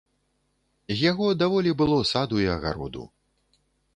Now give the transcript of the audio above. З яго даволі было саду і агароду.